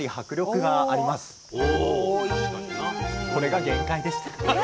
これが限界でした。